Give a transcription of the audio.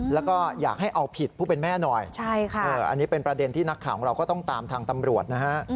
แล้วก็อยากให้เอาผิดผู้เป็นแม่หน่อยอันนี้เป็นประเด็นที่นักข่าวของเราก็ต้องตามทางตำรวจนะฮะ